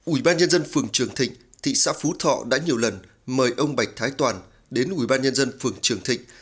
ủy ban nhân dân phường trường thịnh thị xã phú thọ đã nhiều lần mời ông bạch thái toàn đến ủy ban nhân dân phường trường thịnh